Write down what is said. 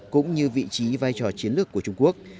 cũng như vị trí vai trò chiến lược của trung quốc